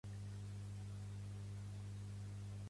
Les figues volen aigua; préssecs i meló, vi felló.